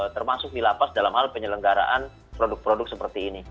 termasuk di lapas dalam hal penyelenggaraan produk produk seperti ini